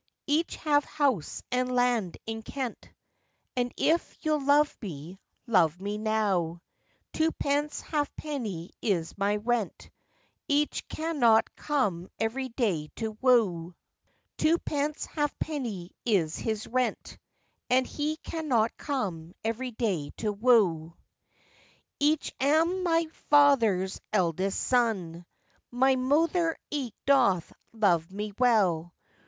] ICH have house and land in Kent, And if you'll love me, love me now; Two pence half penny is my rent,— Ich cannot come every day to woo. Chorus. Two pence half penny is his rent, And he cannot come every day to woo. Ich am my vather's eldest zonne, My mouther eke doth love me well!